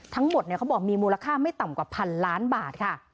ทั้งหมดเขาบอกมีมูลค่าไม่ต่ำกว่าพันล้านบาทค่ะ